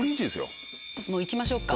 もう行きましょうか。